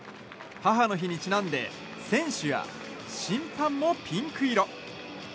母の日にちなんで選手や審判もピンク色。